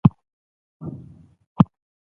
خوب د سخت کار وروسته لازم دی